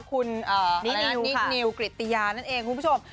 คุณนิวกริติยานั่นเองคุณผู้ชม